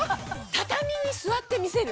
畳に座って見せる。